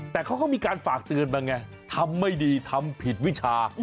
แต่เขาก็มีการฝากเตือนมาไงทำไม่ดีทำผิดวิชา